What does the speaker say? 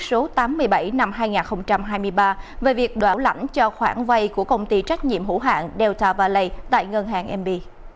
số tám mươi bảy năm hai nghìn hai mươi ba về việc đảo lãnh cho khoản vay của công ty trách nhiệm hữu hạng delta valley tại ngân hàng mb